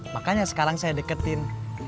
makanya sekarang saya deketin